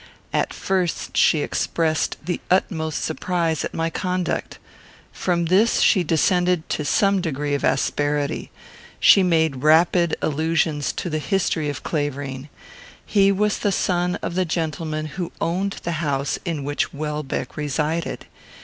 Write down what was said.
At first she expressed the utmost surprise at my conduct. From this she descended to some degree of asperity. She made rapid allusions to the history of Clavering. He was the son of the gentleman who owned the house in which Welbeck resided.